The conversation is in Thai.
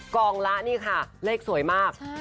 กองละนี่ค่ะเลขสวยมาก